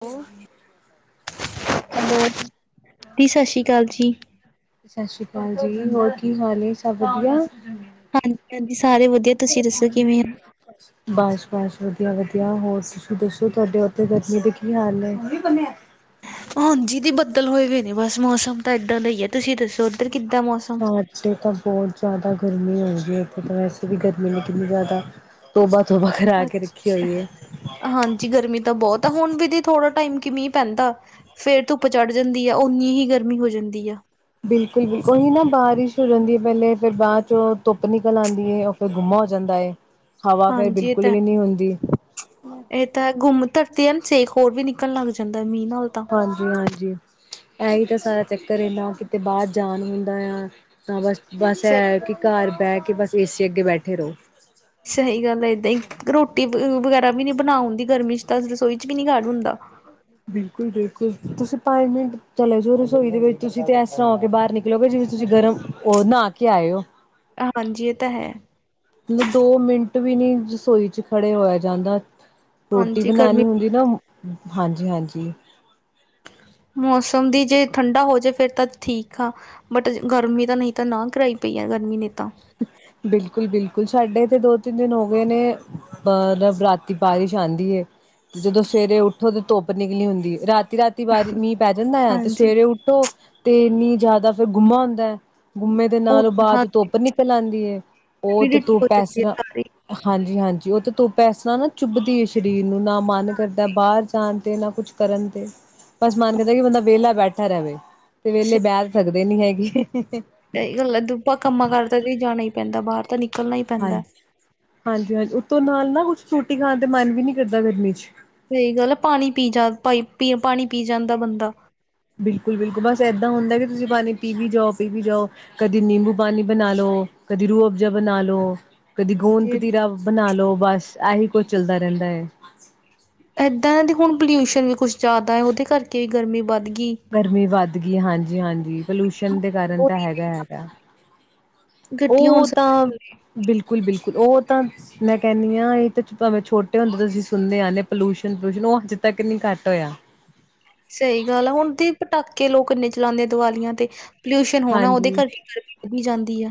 [unintelligible] Hello. ਦੀ ਸਤਿ ਸ਼੍ਰੀ ਅਕਾਲ ਜੀ ਸਤਿ ਸ਼੍ਰੀ ਕਾਲ ਜੀ, ਹੋਰ ਕੀ ਹਾਲ ਏ ਸਭ ਵਧੀਆ? ਹਾਂਜੀ-ਹਾਂਜੀ ਸਾਰੇ ਵਧੀਆ, ਤੁਸੀਂ ਦੱਸੋ ਕਿਵੇਂ ਓ? [inaudible] ਬਸ-ਬਸ ਵਧੀਆ-ਵਧੀਆ ਹੋਰ ਤੁਸੀਂ ਦੱਸੋ ਤੁਹਾਡੇ ਓਦਰ ਗਰਮੀ ਦੇ ਕੀ ਹਾਲ ਨੇ? ਹੁਣ ਜੀ ਦੀ ਬੱਦਲ ਹੋਏ ਹੋਏ ਨੇ ਬਸ ਮੌਸਮ ਤਾਂ ਇੱਦਾਂ ਦਾ ਈ ਐ, ਤੁਸੀਂ ਦੱਸੋ ਓਦਰ ਕਿੱਦਾਂ ਮੌਸਮ? [unintelligible] ਤਾਂ ਬਹੁ ਜਾਦਾ ਗਰਮੀ ਹੈਗੀ ਏ, ਏਥੇ ਤਾਂ ਵੈਸੇ ਵੀ ਗਰਮੀ [unintelligible] ਕਿੰਨੀ ਜਾਦਾ। ਤੋਬਾ-ਤੋਬਾ ਕਰਾ ਕੇ ਅੱਛਾ। ਰੱਖੀ ਹੋਈ ਏ। ਹਾਂਜੀ ਗਰਮੀ ਤਾਂ ਬਹੁਤ ਆ, ਹੁਣ ਵੀ ਦੀ ਥੋੜਾ ਟਾਇਮ ਕ ਈ ਮੀਂਅ ਪੈਂਦਾ ਫੇਰ ਧੁੱਪ ਚੜ ਜਾਂਦੀ ਆ, ਉਨੀ ਹੀ ਗਰਮੀ ਹੋ ਜਾਂਦੀ ਆ। ਬਿਲਕੁਲ- ਬਿਲਕੁਲ ਓਹੀ ਨਾ ਬਾਰਿਸ਼ ਹੋ ਜਾਂਦੀ ਆ ਪਹਿਲੇ, ਫੇਰ ਬਾਅਦ ਚੋ ਧੁੱਪ ਨਿਕਲ ਆਂਦੀ ਏ ਤੋਂ ਗੁੰਮਾ ਹੋ ਜਾਂਦਾ ਏ, ਹਵਾ ਫੇਰ ਹਾਂਜੀ ਇਹ ਤਾਂ ਬਿਲਕੁਲ ਵੀ ਹੈ, ਨੀਂ ਹੁੰਦੀ ਇਹ ਤਾਂ ਗੁੰਮ ਧਰਤੀ ਐ ਨਾ ਸੇਕ ਹੋਰ ਵੀ ਨਿਕਲਣ ਲੱਗ ਜਾਂਦਾ, ਮੀਂਹ ਨਾਲ ਤਾਂ ਹਾਂਜੀ-ਹਾਂਜੀ ਐਹੀ ਤਾਂ ਸਾਰਾ ਚੱਕਰ ਏ, ਨਾ ਕਿਤੇ ਬਾਹਰ ਜਾਣ ਦਿੰਦਾ ਆ ਹਾਂ ਬਸ-ਬਸ ਸ ਐ ਕਿ ਘਰ ਬਹਿ ਕੇ ਬਸ ਏ-ਸੀ ਅੱਗੇ ਬੈਠੇ ਰਹੋ। ਸਹੀ ਗੱਲ ਐ ਏਦਾਂ ਈ, ਰੋਟੀ ਵਗੈਰਾ ਵੀ ਨੀਂ ਬਣਾ ਹੁੰਦੀਂ ਗਰਮੀ ਚ ਤਾਂ ਰਸੋਈ ਚ ਵੀ ਨੀਂ ਖੜ ਹੁੰਦਾ ਬਿਲਕੁਲ-ਬਿਲਕੁਲ ਤੁਸੀਂ ਪੰਜ ਮਿੰਟ ਚਲੋ ਜ਼ੋ ਰਸੋਈ ਦੇ ਵਿੱਚ ਤੁਸੀਂ ਤੇ ਐਸ ਤਰ੍ਹਾਂ ਹੋ ਕੇ ਬਾਹਰ ਨਿਕਲੋਗੇ, ਜਿਵੇਂ ਤੁਸੀਂ ਗਰਮ ਉਹ ਨਹਾ ਕੇ ਆਏ ਓ ਹਾਂਜੀ ਇਹ ਤਾਂ ਹੈ। ਮਤਲਬ ਦੋ ਮਿੰਟ ਵੀ ਨੀਂ ਰਸੋਈ ਚ ਖੜੇ ਹੋਇਆਂ ਜਾਂਦਾ ਰੋਟੀ ਹਾਂਜੀ ਗਰਮੀ ਬਣਾਣੀ ਹੁੰਦੀ ਨਾ, ਹਾਂਜੀ-ਹਾਂਜੀ। ਮੌਸਮ ਦੀ ਜੇ ਠੰਡਾ ਹੋ ਜਾ ਫੇਰ ਤਾਂ ਠੀਕ ਆ ਬਟ ਗਰਮੀ ਤਾਂ, ਨਹੀਂ ਤਾਂ ਨਾ ਕਰਾਈ ਪਈ ਆ ਗਰਮੀ ਨੇ ਤਾਂ ਬਿਲਕੁਲ-ਬਿਲਕੁਲ ਸਾਡੇ ਏਥੇ ਦੋ-ਤਿੰਨ ਦਿਨ ਹੋ ਗੇ ਨੇ ਪਰ ਰਾਤੀ ਬਾਰਿਸ਼ ਆਦੀ ਏ ਜਦੋਂ ਸਵੇਰੇ ਉੱਠੋ ਤੇ ਧੁੱਪ ਨਿਕਲੀ ਹੁੰਦੀ ਏ, ਰਾਤੀ-ਰਾਤੀ ਬਾਰਿ ਮੀਂਹ ਪੈ ਜਾਂਦਾ ਐ, ਤੇ ਹਾਂਜੀ। ਸਵੇਰੇ ਉੱਠੋ ਤੇ ਇੰਨੀ ਜ਼ਿਆਦਾ ਫੇਰ ਗੁੰਮਾ ਹੁੰਦਾ ਐ ਗੁੰਮੇ ਦੇ ਉਹ ਨਾਲੋਂ ਬਾਅਦ ਹਾਂ ਚ ਧੁੱਪ ਨਿਕਲ ਆਦੀ ਐ, ਉਹ ਤੇ ਹਿਊਮਿਡਿਟੀ ਹੋ ਧੁੱਪ ਐਸ ਜਾਂਦੀ ਹੈ ਰਾਂ ਸਾਰੀ। ਹਾਂਜੀ-ਹਾਂਜੀ ਉਹ ਤੇ ਧੁੱਪ ਐਸ ਤਰ੍ਹਾਂ ਨਾ ਚੁੱਭਦੀ ਐ ਸਰੀਰ ਨੂੰ, ਨਾ ਮਨ ਕਰਦਾ ਐ ਬਾਹਰ ਜਾਣ ਤੇ ਨਾ ਕੁਛ ਕਰਨ ਤੇ, ਬਸ ਮਨ ਕਰਦਾ ਕਿ ਬੰਦਾ ਵਿਹਲਾ ਬੈਠਾ ਰਵੇ। ਤੇ ਵਿਹਲੇ ਬੈਠ ਸਕਦੇ ਨੀ ਹੈਗੇ। ਤੇ ਗੱਲਾਂ ਦੁੱਬਾ ਕੰਮਾਂ ਕਾਰਾਂ ਤੇ ਦੀ ਜਾਣਾ ਈ ਪੈਦਾ, ਬਾਹਰ ਤਾਂ ਨਿਕਲਣਾ ਈ ਪੈਂਦਾ ਹਾਂਜੀ। ਹਾਂਜੀ-ਹਾਂਜੀ ਉਤੋਂ ਨਾਲ ਨਾ ਕੁਛ ਰੋਟੀ ਖਾਣ ਤੇ ਮਨ ਵੀ ਨੀ ਕਰਦਾ ਗਰਮੀ 'ਚ' ਸਹੀ ਗੱਲ ਐ ਪਾਣੀ ਪੀ ਜਾਦਾ ਪਾਈ ਪਾਣੀ ਪੀ ਜਾਂਦਾ ਬੰਦਾ ਬਿਲਕੁਲ- ਬਿਲਕੁਲ ਬਸ ਏਦਾਂ ਹੁੰਦਾ ਕਿ ਤੁਸੀਂ ਪਾਣੀ ਪੀ ਵੀ ਜਾਓ ਪੀ ਵੀ ਜਾਓ। ਕਦੀ ਨਿੰਬੂ ਪਾਨੀ ਬਣਾ ਲੋ, ਕਦੀ ਰੂਹ ਅਫਜ਼ਾ ਬਣਾ ਲਓ। ਕਦੀ ਗੂੰਦ ਜੇ ਕਤੀਰਾ ਬਣਾ ਲੋ, ਬਸ ਐਹੀ ਕੁਝ ਚੱਲਦਾ ਰਹਿੰਦਾ ਐ। ਇੱਦਾਂ ਐ ਤੇ ਹੁਣ ਪੋਲਿਊਸ਼ਨ ਵੀ ਕੁੱਛ ਜ਼ਿਆਦਾ ਆ, ਉਹਦੇ ਕਰਕੇ ਵੀ ਗਰਮੀ ਵੱਧ ਗੀ। ਗਰਮੀ ਵੱਧ ਗੀ, ਹਾਂਜੀ -ਹਾਂਜੀ ਪੋਲਿਊਸ਼ਨ ਦੇ ਕਾਰਨ ਤਾਂ ਹੈਗਾ- ਹੈਗਾ। ਗੱਡੀਆਂ ਹੁਣ ਉਹ ਤਾਂ ਬਿਲਕੁਲ- ਬਿਲਕੁਲ ਉਹ ਤਾਂ ਮੈਂ ਕਹਿੰਨੀ ਆ ਤਾਂ ਭਾਵੇਂ ਛੋਟੇ ਤੁਸੀਂ ਸੁਣਦੇ ਆ ਰਹੇ, ਪੋਲੂਊਸ਼ਨ- ਪਲਊਸ਼ਨ ਉਹ ਹਜੇ ਤੱਕ ਨੀ ਘੱਟ ਹੋਇਆ। ਸਹੀ ਗੱਲ ਆ ਹੁਣ ਦੀ ਪਟਾਕੇ ਲੋਕ ਇੰਨੇ ਚਲਾਂਦੇ ਦੀਵਾਲੀਆਂ ਤੇ ਪੋਲਿਊਸ਼ਨ ਹੋਣਾ, ਉਹਦੇ ਹਾਂਜੀ, ਕਰ ਕੇ ਗਰਮੀ ਵਧੀ ਜਾਂਦੀ ਆ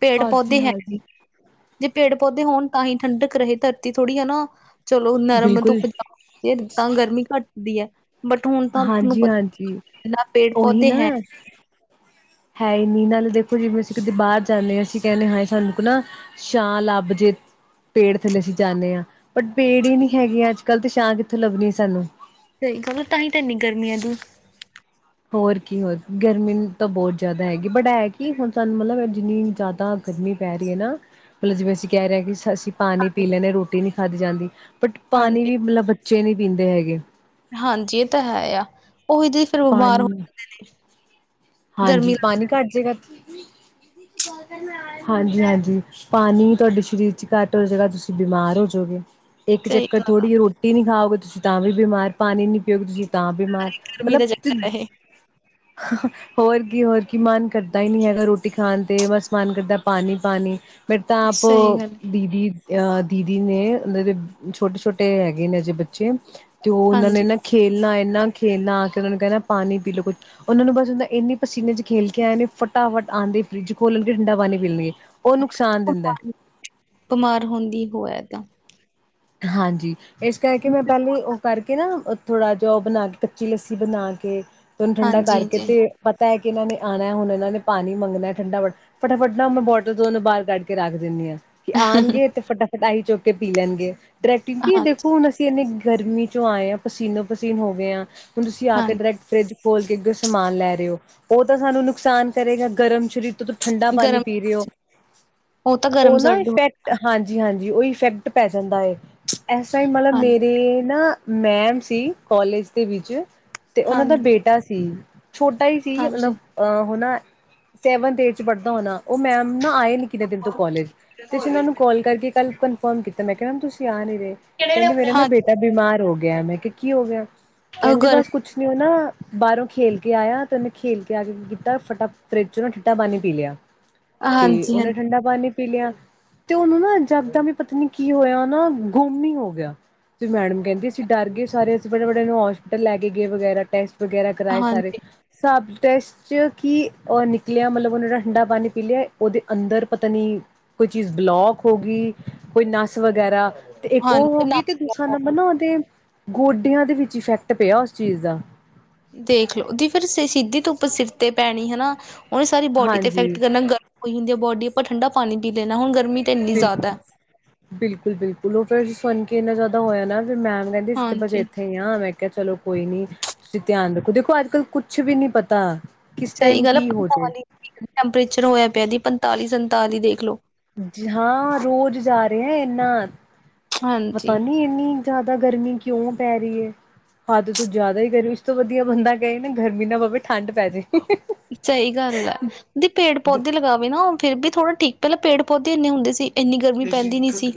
ਪੇੜ ਪੌਦੇ ਹੈ ਹਾਂਜੀ-ਹਾਂਜੀ ਨੀਂ। ਜੇ ਪੇੜ ਪੌਦੇ ਹੋਣ ਤਾਂ ਹੀ ਠੰਡਕ ਰਹੇ, ਧਰਤੀ ਥੋੜ੍ਹੀ ਹਨਾ ਚਲੋ ਨਰਮ ਬਿਲਕੁਲ ਧੁੱਪ ਜਾ ਤਾਂ ਗਰਮੀ ਘੱਟਦੀ ਐ, ਬਟ ਹੁਣ ਤਾਂ ਤੁਹਾਨੂੰ ਹਾਂਜੀ-ਹਾਂਜੀ ਪਤਾ [unintelligible] ਪੇੜ ਉਹੀ ਪੌਦੇ ਨਾ ਹੈ ਨੀ। ਹੈ ਹੀ, ਨਾਲੇ ਦੇਖੋ ਜਿਵੇਂ ਅਸੀਂ ਕਦੇ ਬਾਹਰ ਜਾਂਦੇ ਆ ਅਸੀਂ ਕਹਿੰਨੇ ਹਾਂਏ ਸਾਨੂੰ ਰੁੱਕਨਾ ਛਾਂ ਲੱਭ ਜੇ। ਪੇੜ ਥੱਲੇ ਅਸੀਂ ਜਾਂਨੇ ਆ, ਬਟ ਪੇੜ ਹੀ ਨੀਂ ਹੈਗੇ ਅੱਜ-ਕੱਲ ਤੇ ਛਾਂ ਕਿੱਥੋਂ ਲੱਭਣੀ ਸਾਨੂੰ। ਸਹੀ ਗੱਲ, ਤਾਂਹੀ ਤਾਂ ਇੰਨੀ ਗਰਮੀ ਆ ਦੀ। ਹੋਰ ਕੀ ਹੋਰ ਗਰਮੀ ਤਾਂ ਬਹੁਤ ਜ਼ਿਆਦਾ ਹੈਗੀ, ਬਟ ਹੈ ਕਿ ਹੁਣ ਸਾਨੂੰ ਮਤਲਬ ਜਿੰਨੀ ਜ਼ਿਆਦਾ ਗਰਮੀ ਪੈ ਰੀ ਐ ਨਾ, ਮਤਲਬ ਜਿਵੇਂ ਅਸੀਂ ਕਹਿ ਰਹੇ ਕਿ ਅਸੀਂ ਪਾਣੀ ਪੀ ਲੇਨੇ ਆ, ਰੋਟੀ ਨੀ ਖਾਧੀ ਜਾਂਦੀ ਬਟ ਪਾਣੀ ਹਾਂਜੀ ਵੀ ਮਤਲਬ ਬੱਚੇ ਨੀ ਪੀਂਦੇ ਹੈਗੇ। ਹਾਂਜੀ ਇਹ ਤਾਂ ਹੈ ਆ ਉਹੀ ਤੇ ਪਾਨੀ। ਗਰਮੀ ਹਾਂਜੀ, ਲੱਗ ਪਾਨੀ ਜਾਂਦੀ ਘੱਟ ਜੇਗਾ, ਹਾਂਜੀ-ਹਾਂਜੀ। ਪਾਣੀ ਤੁਹਾਡੇ ਸਰੀਰ'ਚ ਘੱਟ ਹੋਜੇਗਾ, ਤੁਸੀਂ ਬਿਮਾਰ ਹੋਜੋਗੇ। ਇੱਕ ਸਹੀ ਚੱਕਰ ਗੱਲ ਆ ਥੋੜ੍ਹੀ ਰ੍ਹੋਟੀ ਨਹੀਂ ਖਾਓਗੇ ਤੁਸੀਂ ਤਾਂ ਵੀ ਬਿਮਾਰ, ਪਾਣੀ ਨੀ ਪੀਓਗੇ ਤੁਸੀਂ ਤਾਂ ਬਿਮਾਰ, ਗਰਮੀ ਮਤਲਬ ਦਾ ਚੱਕਰ ਇਹ ਹੋਰ ਕੀ, ਹੋਰ ਕੀ ਮਨ ਕਰਦਾ ਹੀ ਨਹੀਂ ਹੈਗਾ ਰੋਟੀ ਖਾਣ ਤੇ, ਬਸ ਮਨ ਕਰਦਾ ਪਾਨੀ-ਪਾਨੀ। ਮੇਰੇ ਤਾਂ ਆਪ, ਸਹੀ ਗੱਲ ਦੀਦੀ ਜ ਅ ਦੀਦੀ ਨੇ, ਉਹਨਾਂ ਦੇ ਛੋਟੇ-ਛੋਟੇ ਹੈਗੇ ਨੇ ਅਜੇ ਬੱਚੇ, ਤੇ ਉਹ ਉਹਨਾਂ ਨੇ ਹਾਂਜੀ ਨਾ ਖੇਲਣਾ, ਇੰਨਾ ਖੇਲਣਾ ਕੇ ਉਹਨਾਂ ਨੂੰ ਕਹਿਣਾ ਪਾਨੀ ਪੀਲੋ ਕੁੱਝ ਉਹਨਾਂ ਨੂੰ ਬਸ ਹੁੰਦਾ ਇੰਨੀ ਪਸੀਨੇ'ਚ ਖੇਲਕੇ ਆਏ ਨੇ, ਫਟਾਫਟ ਆਂਦੇ ਫਰਿੱਜ ਖੋਲਣਗੇ ਠੰਡਾ ਪਾਣੀ ਪੀਲਗੇ। ਉਹ ਨੁਕਸਾਨ ਦਿੰਦਾ। ਬਿਮਾਰ ਹੁੰਦੀ ਹੋ ਐ, ਤਾਂ। ਹਾਂਜੀ, ਇਸ ਕਰਕੇ ਮੈਂ ਪਹਿਲੇ ਉਹ ਕਰਕੇ ਨਾ ਥੋੜਾ ਜਿਹਾ ਉਹ ਬਣਾਕੇ ਕੱਚੀ ਲੱਸੀ ਬਣਾਕੇ, ਤੇ ਉਹਨੂੰ ਠੰਡਾ ਹਾਂਜੀ ਕਰਕੇ ਹਾਂਜੀ ਤੇ ਪਤਾ ਐ ਕਿ ਇਹਨਾਂ ਨੇ ਆਣਾ ਹੁਣ ਇਹਨਾਂ ਨੇ ਪਾਨੀ ਮੰਗਨਾ ਠੰਡਾ ਬ ਫਟਾਫਟ ਨਾ ਮੈਂ ਬੋਟਲ ਦੋਨੂੰ ਬਾਹਰ ਕੱਢਕੇ ਰੱਖ ਦਿੰਨੀ ਆ। ਆਣਗੇ, ਤੇ ਫਟਾਫਟ ਆਹੀ ਚੁੱਕ ਕੇ ਪੀ ਲੈਣਗੇ, ਡਰੈਕਟ ਕਿਉਂਕਿ ਹਾਂਜੀ ਦੇਖੋ ਹੁਣ ਅਸੀਂ ਕੀ ਇੰਨੇ ਗਰਮੀ'ਚੋਂ ਆਏ ਆ, ਪਸੀਨੋ-ਪਸੀਨ ਹੋ ਗਏ ਆਂ, ਹੁਣ ਤੁਸੀਂ ਆ ਕੇ ਹਾਂਜੀ ਡਰੈਕਟ ਫਰਿੱਜ ਖੋਲ ਕੇਗੇ ਸਮਾਨ ਲੈ ਰਹੇ ਹੋ ਉਹ ਤਾਂ ਸਾਨੂੰ ਨੁਕਸਾਨ ਕਰੇਗਾ ਗਰਮ ਸ਼ਰੀਰ ਤੋਂ ਠੰਡਾ ਪਾਨੀ ਗਰਮ ਪੀ ਰਹੇ ਓ, ਤਾਂ ਗਰਮ ਉਹ ਨਾ ਸਰਦ ਇਫੈਕਟ ਹਾਂਜੀ-ਹਾਂਜੀ, ਉਹ ਇਫੈਕਟ ਪੈ ਜਾਂਦਾ ਏ। ਐਸ ਟਾਈਮ ਵਾਲਾ ਹਾਂਜੀ ਮੇਰੇ ਨਾ, ਮੈਮ ਸੀ ਕਾਲਜ ਦੇ ਵਿੱਚ‌। ਤੇ ਉਹਨਾ ਦਾ ਹਾਂਜੀ ਬੇਟਾ ਸੀ, ਛੋਟਾ ਈ ਸੀ ਮਤਲਬ ਹਾਂਜੀ ਅ ਹੋਣਾ, ਸੈਵਨਥ ਏਡ'ਚ ਪੜ੍ਹਦਾ ਹੋਣਾ, ਉਹ ਮੈਮ ਨਾ ਆਏ ਨੀ। ਕਿੰਨੇ ਦਿਨ ਤੋਂ ਕੌਲੇਜ, ਤੇ ਅਸੀਂ ਉਹਨਾਂ ਨੂੰ ਕੌਲ ਕਰਕੇ ਕੱਲ ਕਨਫਰਮ ਕੀਤਾ, ਮੈਂ ਕਿਹਾ ਮੈਮ ਤੁਸੀਂ ਆ ਨਹੀਂ ਰਹੇ। ਕਿਹੜੇ ਨੇ ਕਹਿੰਦੀ ਆਪਣੇ ਮੇਰਾ ਨਾ ਹਾਂ ਬੇਟਾ ਬਿਮਾਰ ਹੋਗਿਆ, ਮੈਂ ਕਿਹਾ ਕੀ ਹੋਗਿਆ, ਕਹਿੰਦੀ ਗਰਮ ਬਸ ਕੁਛ ਨੀ ਓ ਨਾ ਬਾਹਰੋਂ ਖੇਲਕੇ ਆਇਆ, ਤੇ ਉਹਨੇ ਖੇਲਕੇ ਆਕੇ ਕੀ ਕੀਤਾ ਫਟਾ, ਫਰਿਜ'ਚੋ ਨਾ ਠੰਡਾ ਪਾਣੀ ਪੀ ਲਿਆ। ਤੇ ਹਾਂਜੀ ਹਾਂਜੀ ਉਹਨੇ ਠੰਡਾ ਪਾਣੀ ਲਿਆ, ਤੇ ਉਹਨੂੰ ਨਾ ਜਗਦਮ ਈ ਪਤਾ ਨੀ ਹੋਇਆ ਨਾ ਗੁੰਮ ਈ ਹੋਗਿਆ। ਤੇ ਮੈਡਮ ਕਹਿੰਦੀ ਅਸੀਂ ਡਰ ਗੇ ਸਾਰੇ, ਅਸੀਂ ਬੜੇ-ਬੜੇ ਨੂੰ ਹੋਸਪੀਟਲ ਲੈਕੇ ਗਏ ਵਗੈਰਾ ਟੈਸ ਟ ਵਗੈਰਾ ਕਰਾਏ ਸਾਰੇ, ਹਾਂਜੀ ਸਭ ਟੇਸ ਚ ਕੀ ਅਹ ਨਿਕਲਿਆ, ਮਤਲਬ ਉਹਨਾਂ ਨੇ ਠੰਡਾ ਪਾਣੀ ਪੀਲਿਆ ਉਹਦੇ ਅੰਦਰ ਪਤਾ ਨੀ ਕੋਈ ਚੀਜ਼ ਬਲੌਕ ਹੋਗੀ, ਕੋਈ ਨਸ ਵਗੈਰਾ। ਤੇ ਇੱਕ ਉਹ ਹੋਗੀ, ਤੇ ਦੂਸਰਾ ਨੰਬਰ ਹਾਂਜੀ ਨਾ ਉਹਦੇ ਗੋਡਿਆਂ ਦੇ ਵਿੱਚ ਇਫੈਕਟ ਪਿਆ ਉਸ ਚੀਜ਼ ਦਾ। ਦੇਖਲੋ, ਦੀ ਫਿਰ ਸ ਸ਼ਿੱਧੀ ਧੁੱਪ ਸਿਰ ਤੇ ਪੈਣੀ ਹਨਾ, ਉਹਨੇ ਸਾਰੀ ਬੋਡੀ ਤੇ ਹਾਂਜੀ ਇਫੈਕਟ ਕਰਨਾ, ਗਰ ਹੋਈ ਹੁੰਦੀ ਆ ਬੋਡੀ, ਆਪਾਂ ਠੰਡਾ ਪਾਣੀ ਪੀ ਲੈਣਾ ਹੁਣ ਗਰਮੀ ਤਾਂ ਇੰਨੀ ਜ਼ਿਆਦਾ ਬਿਲਕੁਲ-ਬਿਲਕੁਲ, ਬਿਲਕੁਲ ਉਹ ਫਿਰ ਸੁਣਕੇ ਇੰਨਾ ਜ਼ਿਆਦਾ ਹੋਇਆ ਨਾ ਫਿਰ ਵੀ ਮੈਮ ਨੇ ਹਾਂਜੀ [unintelligible] ਹੋਈ ਆਂ, ਮੈਂ ਕਿਹਾ ਚੱਲੋ ਕੋਈ ਨੀ ਤੁਸੀਂ ਧਿਆਨ ਰੱਖੋ, ਦੇਖੋ ਅੱਜ-ਕੱਲ ਕੁਛ ਵੀ ਨੀ ਪਤਾ। ਕਿਸ ਟਾਈਮ ਕੀ ਹੋਜੇ? ਟੈਂਮਪਰੇਚਰ ਹੋਇਆ ਪਿਆ ਦੀ, ਪੰਤਾਲੀ, ਸੰਤਾਲੀ ਦੇਖਲੋ। ਹਾਂ, ਰੋਜ਼ ਜਾ ਰਹੇ ਆ ਇੰਨਾ, ਪਤਾ ਹਾਂਜੀ ਨੀ ਇੰਨੀ ਜ਼ਿਆਦਾ ਗਰਮੀ ਕਿਉਂ ਪੈ ਰਹੀ ਏ। ਹੱਦ ਤੂੰ ਜਿਆਦਾ ਈ ਗਰਮੀ, ਇਸ ਤੋਂ ਵਧੀਆ ਬੰਦਾ ਕਹੇ ਗਰਮੀ ਨਾ ਪਵੇ ਠੰਡ ਪੈਜੇ। ਸਹੀ ਗੱਲ ਆ, ਨਹੀਂ ਪੇੜ-ਪੌਦੇ ਲਗਾਵੇ ਨਾ ਉਹ ਫੇਰ ਵੀ ਥੋੜਾ ਠੀਕ ਪੈਲਾਂ ਪੇੜ, ਪੌਦੇ ਇੰਨੇ ਹੁੰਦੇ ਸੀ ਇੰਨੀ ਗਰਮੀ ਪੈਂਦੀ ਨੀ ਸੀ।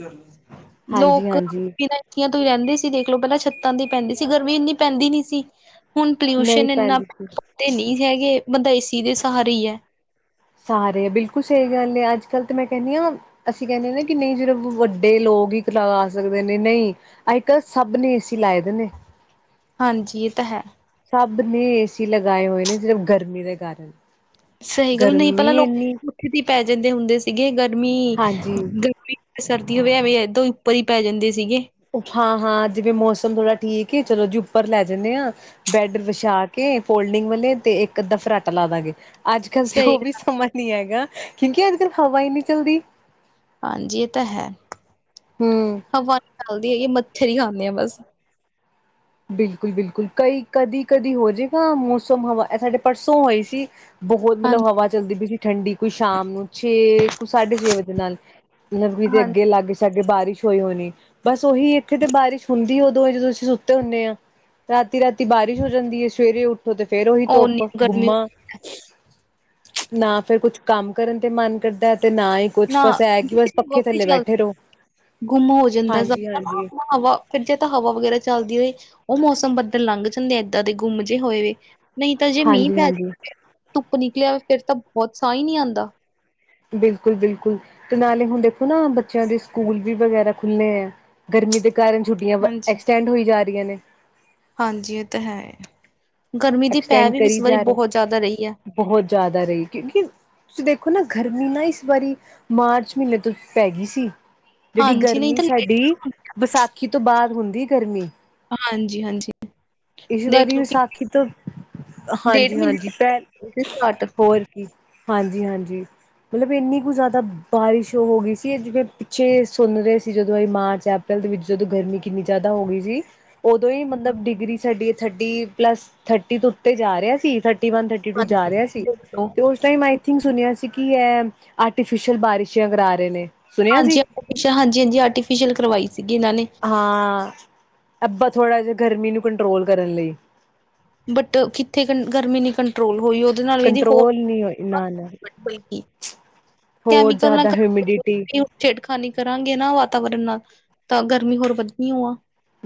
ਲੋਕ ਹਾਂਜੀ-ਹਾਂਜੀ ਈ ਰੈਂਦੇ ਸੀ ਦੇਖਲੋ ਪੈਲਾਂ ਛੱਤਾਂ ਦੀ ਪੈਂਦੀ ਸੀ ਗਰਮੀ ਇੰਨੀ ਪੈਂਦੀ ਨੀ ਸੀ। ਹੁਣ ਨਹੀਂ ਪੋਲਿਊਸ਼ਨ ਇੰਨਾ ਪੈਂਦੀ ਸੀ। ਤੇ ਨੀ ਹੈਗੇ ਬੰਦਾ ਏ ਸੀ ਦੇ ਸਹਾਰੇ ਈ ਐ। ਸਹਾਰੇ ਐ ਬਿਲਕੁੱਲ ਸਈ ਗੱਲ ਐ ਅੱਜ-ਕੱਲ ਤੇ ਮੈਂ ਕੈਂਨੀ ਆ ਅਸੀਂ ਕੈਂਨੇ ਅ ਨਾ ਕਿ ਨਈ ਜਿਰਵ ਵੱਡੇ ਲੋਗ ਈ ਲੱਗਾ ਸਕਦੇ ਨੇ ਨਈ ਅੱਜ-ਕਲ ਸਭ ਨੇ ਏ ਸੀ ਲਾਏ ਦੇ ਨੇ। ਹਾਂਜੀ ਏ ਤਾਂ ਹੈ। ਸਭ ਨੇ ਏ ਸੀ ਲਗਾਏ ਹੋਏ ਨੇ ਸਿਰਫ਼ ਗਰਮੀ ਦੇ ਕਾਰਨ। ਸਹੀ ਗੱਲ ਨਈ ਪੈਲਾਂ ਗਰਮੀ ਲੋ ਇੰਨੀ ਕੋਠੇ ਤੇ ਈ ਪੈ ਜਾਂਦੇ ਹੁੰਦੇ ਸੀਗੇ ਗਰਮੀ, ਹਾਂਜੀ ਗਰਮੀ ਸਰਦੀ ਹੋਵੇ ਐਵੇਂ ਏਦੋਂ ਉੱਪਰੋ ਈ ਪੈ ਜਾਂਦੇ ਸੀਗੇ। ਹਾਂ-ਹਾਂ ਜਿਵੇਂ ਮੌਸਮ ਥੋੜਾ ਠੀਕ ਏ ਚੱਲੋ ਜੀ ਉੱਪਰ ਲੈ ਜਨੇ ਆ ਬੈਂਡ ਵਿਛਾ ਕੇ ਫੋਲਡਿੰਗ ਵਾਲੇ ਤੇ ਇੱਕ ਅੱਧਾ ਫਰਾਟਾ ਲਾ ਦਾਂਗੇ। ਅੱਜ-ਕੱਲ ਤੇ ਸਹੀ ਓ ਵੀ ਸਮਾਂ ਨੀ ਹੈਗਾ ਕਿਉਂਕਿ ਅੱਜ-ਕੱਲ ਹਵਾ ਏ ਨੀ ਚੱਲਦੀ। ਹਾਂਜੀ ਏ ਤਾਂ ਹੈ, ਹਮ ਹਵਾ ਨੀ ਚੱਲਦੀ ਹੈਗੀ ਮੱਛਰ ਈ ਖਾਨੇ ਆ ਬਸ। ਬਿਲਕੁੱਲ-ਬਿਲਕੁੱਲ ਕਈ ਕਦੀਕਦੀ ਹੋਜੇਗਾ ਮੌਸਮ ਹਵਾ ਐ ਸਾਡੇ ਪਰਸੋਂ ਹੋਏ ਸੀ ਬੋਹ ਮਤਲਬ ਹਾਂਜੀ ਹਵਾ ਚੱਲਦੀ ਪਈ ਸੀ ਠੰਡੀ ਕੋਈ ਸ਼ਾਮ ਨੂੰ ਛੇ ਕੋਈ ਸਾਢੇ ਛੇ ਵਜੇ ਨਾਲ। ਗਰਮੀ ਦੇ ਹਾਂਜੀ ਅੱਗੇ ਲਾਗੇ ਸਾਡੇ ਬਾਰਿਸ਼ ਹੋਈ ਹੋਣੀ ਬਸ ਉਹੀ ਇੱਥੇ ਤੇ ਬਾਰਿਸ਼ ਹੁੰਦੀ ਉਦੋਂ ਏ ਜਦੋਂ ਅਸੀਂ ਸੁ- ਤੇ ਹੁੰਨੇ ਆ ਰਾਤੀ-ਰਾਤੀ ਬਾਰਿਸ਼ ਹੋ ਜਾਂਦੀ ਏ ਸਵੇਰੇ ਉੱਠੋ ਤੇ ਫੇਰ ਉਹੀ ਓਨੀ ਧੁੱਪ ਗਰਮੀ ਗੁੰਮਾ। ਨਾ ਫੇਰ ਕੁਛ ਕੰਮ ਕਰਨ ਤੇ ਮਨ ਕਰਦਾ ਐ ਤੇ ਨਾ ਈ ਨਾ ਲੱਗਦੀ, ਗੁੰਮ ਹੋ ਜਾਂਦਾ ਸਭ ਐ ਹਾਂਜੀ-ਹਾਂਜੀ, ਨਾ ਹਵਾ ਫਿਰ ਜੇ ਤਾਂ ਹਵਾ ਵਗੈਰਾ ਚੱਲਦੀ ਰਹੇ ਓ ਮੌਸਮ ਬੱਦਲ ਲੰਘ ਜਾਂਦੇ ਏਦਾਂ ਦੇ ਗੁੰਮ ਜੇ ਹੋਏ ਵੇ। ਨਈ ਤਾਂ ਜੇ ਮੀਂ ਪੈ, ਹਾਂਜੀ-ਹਾਂਜੀ ਧੁੱਪ ਨਿਕਲੇ ਆਵੇ ਫੇਰ ਤਾਂ ਬੋਤ ਸਾਂ ਈ ਨੀ ਆਂਦਾ। ਬਿਲਕੁੱਲ-ਬਿਲਕੁੱਲ ਤੇ ਨਾਲੇ ਹੁਣ ਦੇਖੋ ਨਾ ਬੱਚਿਆਂ ਦੇ ਸਕੂਲ ਵੀ ਵਗੈਰਾ ਖੁੱਲੇ ਐ। ਗਰਮੀ ਦੇ ਕਾਰਨ ਛੁੱਟੀਆਂ ਹਾਂਜੀ ਐਕਸਟੈਂਡ ਹੋਈ ਜਾ ਰੀਆਂ ਨੇ। ਹਾਂਜੀ ਏ ਤਾਂ ਹੈ, ਗਰਮੀ ਦੀ ਪੈ ਵੀ ਇਸ ਵਾਰੀ ਬੋਹ ਜਿਆਦਾ ਰਈ ਆ। ਬੋਹ ਜਿਆਦਾ ਰਈ ਕਿਉਂਕਿ ਤੁਸੀਂ ਦੇਖੋ ਨਾ ਗਰਮੀ ਨਾ ਇਸ ਵਾਰੀ ਮਾਰਚ ਮ੍ਹੀਨੇ ਤੋਂ ਪੈਗੀ ਸੀ। ਜੇੜੀ ਹਾਂਜੀ ਨਹੀਂ ਗਰਮੀ ਤਾਂ ਲੇਟ ਸਾਡੀ ਸ਼ੁਰੂ ਵਿਸਾਖੀ ਤੋਂ ਬਾਅਦ ਹੁੰਦੀ ਗਰਮੀ। ਹਾਂਜੀ-ਹਾਂਜੀ। ਇਸ ਵਾਰੀ ਵਿਸਾਖੀ ਤੋਂ, ਡੇਢ ਹਾਂਜੀ-ਹਾਂਜੀ ਮਹੀਨੇ ਪੈ ਸਟਾਰਟ ਹੋਰ ਕੀ ਹਾਂਜੀ-ਹਾਂਜੀ। ਮਤਲਬ ਇੰਨੀ ਕੁ ਜਿਆਦਾ ਬਾਰਿਸ਼ ਹੋਗੀ ਸੀ ਏ ਜਿਵੇਂ ਪਿੱਛੇ ਸੁਣ ਰੇ ਸੀ ਜਦੋਂ ਏ ਮਾਰਚ ਆ ਪ੍ਰੈਲ ਦੇ ਵਿੱਚ ਜਦੋਂ ਗਰਮੀ ਕਿੰਨੀ ਜਿਆਦਾ ਹੋਗੀ ਜੀ। ਉਦੋਂ ਈ ਮਤਲਬ ਡਿਗਰੀ ਸਾਡੀ ਥਰਟੀ ਪਲੱਸ ਥਰਟੀ ਤੋਂ ਉੱਤੇ ਜਾ ਰੇਆ ਸੀ thirty one thirty two ਜਾ ਹਾਂਜੀ ਰੇਆ ਸੀ ਦੇਖੋ ਤੇ ਉਸ ਟਾਇਮ ਆਈਥਿੰਕ ਸੁਣਿਆ ਸੀ ਕਿ ਐ ਆਰਟੀਫਿਸ਼ਲ ਬਾਰਿਸ਼ਾਂ ਕਰਾ ਰੇ ਨੇ। ਸੁਣਿਆ ਸੀ ਹਾਂਜੀ, ਹਾਂਜੀ-ਹਾਂਜੀ ਆਰਟੀਫਿਸ਼ਲ ਕਰਵਾਈ ਸੀਗੀ ਇਨਾਂ ਨੇ। ਹਾਂ, ਅੱਬਾ ਥੋੜਾ ਜਾ ਗਰਮੀ ਨੂੰ ਕੰਟਰੋਲ ਕਰਨ ਲਈ। ਬਟ ਕਿੱਥੇ‌ ਕੰ ਗਰਮੀ ਨੀ ਕੰ ਟਰੋਲ ਹੋਈ ਉਦੇ ਨਾਲ ਵੀ ਜੀ ਹੋ ਕੰਟਰੋਲ ਨਹੀਂ ਹੋਈ ਨਾ ਨਾ ਹੋਰ ਕੈਮੀਕਲ ਨਾਲ ਜ਼ਿਆਦਾ ਹਿਊਮਿਡਿਟੀ ਛੇੜਖਾਨੀ ਕਰਾਂਗੇ ਨਾ ਵਾਤਾਵਰਨ ਨਾਲ ਤਾਂ ਗਰਮੀ ਹੋਰ ਵਧਣੀ ਓ ਆ।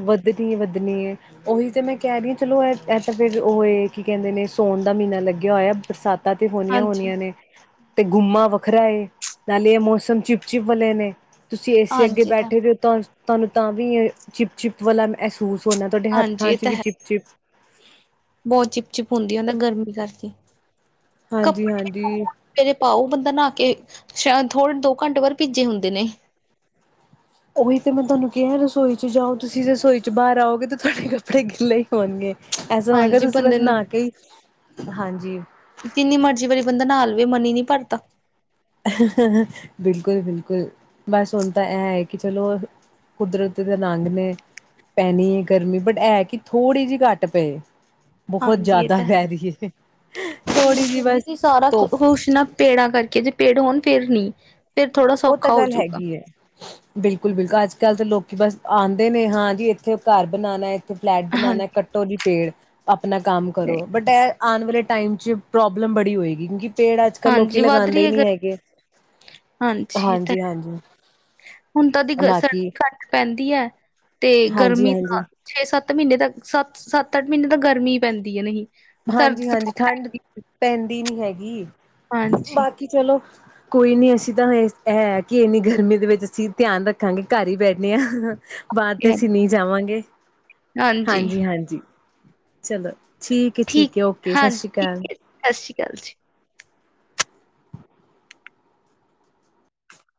ਵੱਧਣੀ-ਵੱਧਣੀ ਏ। ਉਹੀ ਤੇ ਮੈਂ ਕੈ ਰੀ ਆ ਚਲੋ ਐ ਏ ਤਾਂ ਫੇਰ ਉਹ ਏ ਕੀ ਕੈਂਦੇ ਨੇ ਸੋਨ ਦਾ ਮ੍ਹੀਨਾ ਲੱਗਿਆ ਹੋਇਆ ਬਰਸਾ ਤਾਂ ਤੇ ਹਾਂਜੀ। ਹੋਣੀਆਂ-ਹੋਣੀਆਂ ਨੇ। ਤੇ ਗੁੰਮਾ ਵੱਖਰਾ ਏ, ਨਾਲੇ ਇਹ ਮੌਸਮ ਚਿਪ- ਚਿਪ ਵਾਲੇ ਨੇ, ਤੁਸੀਂ ਏ ਸੀ ਅੱਗੇ ਹਾਂਜੀ ਤਾਂ ਬੈਠੇ ਵੇ ਤੁਹਾਨੂੰ, ਤੁਹਾਨੂੰ ਤਾਂ ਵੀ ਇਹ ਚਿਪ-ਚਿਪ ਵਾਲਾ ਮਹਿਸੂਸ ਹੋਣਾ, ਤੁਹਾਡੇ ਹਾਂਜੀ ਹੱਥਾਂ ਇਹ 'ਚ ਤਾਂ ਵੀ ਹੈ ਚਿਪ-ਚਿਪ ਬਹੁਤ ਚਿਪ- ਚਿਪ ਹੁੰਦੀ ਐ ਗਰਮੀ ਕਰਕੇ ਹਾਂਜੀ- ਹਾਂਜੀ- ਹਾਂਜੀ ਕੱਪੜੇ ਜੇ ਪਾਓ ਬੰਦਾ ਨਹਾ ਕੇ, ਸ਼ਾਇਦ ਥੋੜਾ ਦੋ ਘੰਟੇ ਬਾਅਦ ਭੀਜੇ ਹੁੰਦੇ ਨੇ ਉਹੀ ਤੇ ਮੈਂ ਤੁਹਾਨੂੰ ਕਿਹਾ, ਰਸੋਈ 'ਚ ਜਾਓ ਤੁਸੀਂ ਰਸੋਈ 'ਚ ਬਾਹਰ ਆਓਗੇ ਤੇ ਤੁਹਾਡੇ ਕੱਪੜੇ ਗਿੱਲੇ ਹੋਣਗੇ, ਐਸਾ ਹੈਗਾ ਹਾਂਜੀ ਤੁਸੀਂ ਬਸ ਬੰਦੇ ਨੂੰ ਨਹਾ ਕੇ ਈ, ਹਾਂਜੀ ਜਿੰਨੀ ਮਰਜ਼ੀ ਵਾਰੀ ਬੰਦਾ ਨਹਾ ਲੇ ਵੇ, ਮਨ ਨਹੀ ਭਰਦਾ ਬਿਲਕੁਲ- ਬਿਲਕੁਲ ਬਸ ਹੁਣ ਤਾਂ ਐਹ ਹੈ ਕਿ ਚਲੋ ਕੁਦਰਤ ਦੇ ਰੰਗ ਨੇ। ਪੈਣੀ ਏ ਗਰਮੀ, ਬਟ ਐਹ ਕਿ ਥੋੜ੍ਹੀ ਜਿਹੀ ਘੱਟ ਪਏ ਬਹੁਤ ਹਾਂਜੀ ਇਹ ਜ਼ਿਆਦਾ ਤੇ ਪੈ ਹੈ, ਰਹੀ ਹੈ। ਮੈਂ ਥੋੜ੍ਹੀ ਜਿਹੀ ਬਸ ਕਹਿੰਦੀ ਸਾਰਾ ਧੁੱਪ ਕੁਛ ਨਾ ਪੇੜਾਂ ਕਰਕੇ, ਜੇ ਪੇੜ ਹੋਣ ਫਿਰ ਨੀ, ਤੇ ਥੋੜਾ ਉਹ ਤਾਂ ਸੌਖਾ ਗੱਲ ਹੋਜੂਗਾ ਹੈਗੀ ਹੈ ਬਿਲਕੁਲ-ਬਿਲਕੁਲ ਅੱਜ- ਕੱਲ ਤਾਂ ਲੋਕੀ ਬਸ ਆਉਂਦੇ ਨੇ, ਹਾਂ ਜੀ ਇੱਥੇ ਘਰ ਬਣਾ ਲਏ ਤੇ ਫਲੈਟ ਬਣਾਉਣਾ, ਹਾਂਜੀ, ਕੱਟੋ ਜੀ ਪੇੜ ਆਪਣਾ ਕੰਮ ਕਰੋ, ਬਟ ਐਂ, ਆਉਣ ਵਾਲੇ 'ਚ ਟਾਈਮ 'ਚ ਪ੍ਰੋਬਲਮ ਬੜੀ ਹੋਏਗੀ ਕਿਉਂਕਿ ਪੇੜ ਅੱਜ- ਕੱਲ ਲੋਕੀ ਹਾਂਜੀ ਵੱਧ ਰਹੀ ਲਗਾਉਂਦੇ ਹੈ ਨੀ ਗਰ ਹੈਗੇ ਹਾਂਜੀ, ਇਹ ਤੇ ਹਾਂਜੀ-ਹਾਂਜੀ ਹੈ, ਹੁਣ ਤਾਂਦੀ ਬਾਕੀ ਸਰਦੀ ਘੱਟ ਪੈਂਦੀ ਐ, ਤੇ ਗਰਮੀ ਨਾਲ ਹਾਂਜੀ-ਹਾਂਜੀ ਛੇ- ਸੱਤ ਮਹੀਨੇ ਤੱਕ, ਸੱਤ, ਸੱਤ- ਅੱਠ ਮਹੀਨੇ ਤੱਕ ਗਰਮੀ ਪੈਂਦੀ ਐ ਨਹੀਂ ਹਾਂਜੀ- ਸਰਦੀ ਤਾਂ ਹਾਂਜੀ ਬਹੁਤ ਠੰਡ ਪੈਂਦੀ। ਪੈਂਦੀ ਨੀ ਹੈਗੀ, ਹਾਂਜੀ ਬਾਕੀ ਚਲੋ ਕੋਈ ਨਹੀਂ, ਅਸੀਂ ਤਾਂ ਹੈ ਕਿ ਐਨੀ ਗਰਮੀ ਦੇ ਵਿੱਚ ਅਸੀਂ ਧਿਆਨ ਰੱਖਾਂਗੇ, ਘਰ ਹੀ ਬੈਨੇ ਆ ਬਾਰ ਤੇ ਅਸੀਂ ਹਾਂਜੀ ਨਹੀਂ ਜਾਵਾਂਗੇ, ਹਾਂਜੀ- ਹਾਂਜੀ ਚਲੋ, ਠੀਕ ਕਿ ਠੀਕ, ਓਕੇ ਸਸ਼੍ਰੀ ਅਕਾਲ। ਸਸਰੀ ਅਕਾਲ ਜੀ। [inaudible]